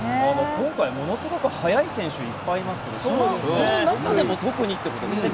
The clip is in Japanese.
今回、ものすごく速い選手いっぱいいますがその中でも特にということですね